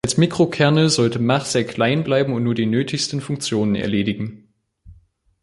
Als Mikrokernel sollte Mach sehr klein bleiben und nur die nötigsten Funktionen erledigen.